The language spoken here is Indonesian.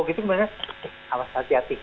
kemudian awas hati hati